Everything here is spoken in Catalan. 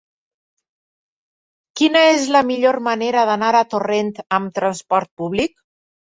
Quina és la millor manera d'anar a Torrent amb trasport públic?